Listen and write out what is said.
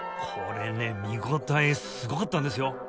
これね見応えすごかったんですよ